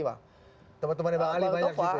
teman teman bang ali banyak